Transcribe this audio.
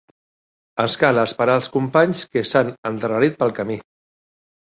Ens cal esperar els companys que s'han endarrerit pel camí.